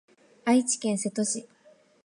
愛知県瀬戸市